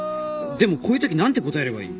でもこういうとき何て答えればいい？